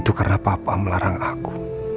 itu karena papa melarang aku